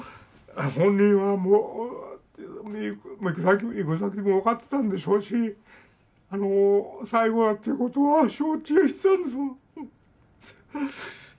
本人はもう行く先も分かってたんでしょうしあの最後だっていうことは承知してたんですもん。